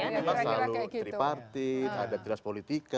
terlalu tripartit ada keras politika